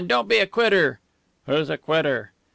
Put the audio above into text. Don't be a quitter." "Who's a quitter?"